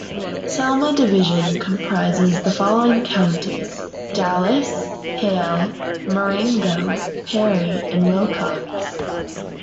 Selma Division comprises the following counties: Dallas, Hale, Marengo, Perry, and Wilcox.